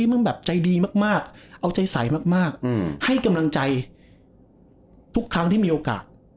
มึงแบบใจดีมากเอาใจใสมากให้กำลังใจทุกครั้งที่มีโอกาส